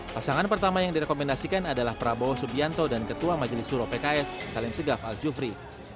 pasangan pertama yang direkomendasikan adalah prabowo subianto dan ketua majelis suro pks salim segaf al jufri